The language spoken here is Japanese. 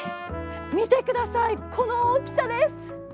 見てください、この大きさです。